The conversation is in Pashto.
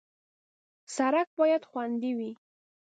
سړک باید خوندي وي.